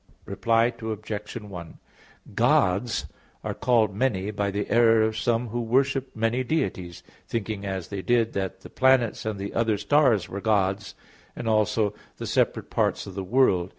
Reply Obj. 1: Gods are called many by the error of some who worshipped many deities, thinking as they did that the planets and other stars were gods, and also the separate parts of the world.